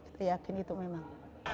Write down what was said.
kita yakin itu memang